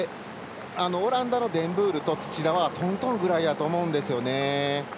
オランダのデンブールと土田は、とんとんくらいやと思うんですよね。